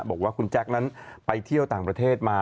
บอกว่าคุณแจ๊คนั้นไปเที่ยวต่างประเทศมา